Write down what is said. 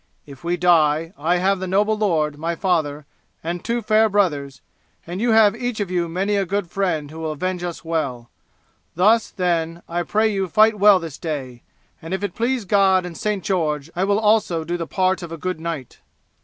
If we die, I have the noble lord, my father, and two fair brothers, and you have each of you many a good friend who will avenge us well; thus, then, I pray you fight well this day, and if it please God and St. George I will also do the part of a good knight."